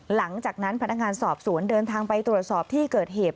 หลังจากนั้นพนักงานสอบสวนเดินทางไปตรวจสอบที่เกิดเหตุ